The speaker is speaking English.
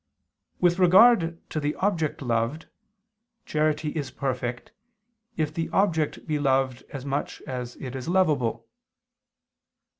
With regard to the object loved, charity is perfect, if the object be loved as much as it is lovable.